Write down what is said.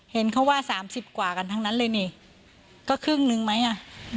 เห็นเขาว่าสามสิบกว่ากันทั้งนั้นเลยนี่ก็ครึ่งนึงไหมอ่ะ